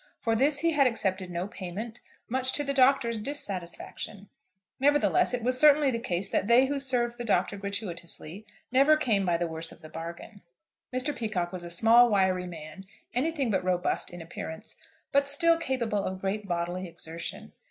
For this he had accepted no payment, much to the Doctor's dissatisfaction. Nevertheless, it was certainly the case that they who served the Doctor gratuitously never came by the worse of the bargain. Mr. Peacocke was a small wiry man, anything but robust in appearance, but still capable of great bodily exertion.